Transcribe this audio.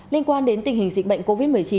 liên quan đến tình hình dịch bệnh covid một mươi chín